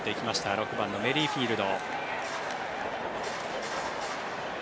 ６番のメリフィールド。